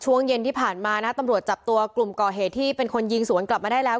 ช่วงเย็นที่ผ่านมานะตำรวจจับตัวกลุ่มก่อเหตุที่เป็นคนยิงสวนกลับมาได้แล้ว